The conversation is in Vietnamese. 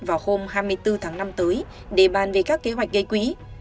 vào hôm hai mươi bốn tháng năm tới để bàn về các kế hoạch gây quỹ